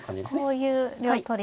こういう両取りの筋。